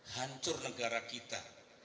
hancur negara kita